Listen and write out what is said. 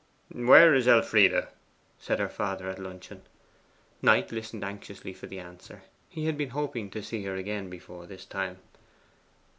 'Where is Elfride?' said her father at luncheon. Knight listened anxiously for the answer. He had been hoping to see her again before this time.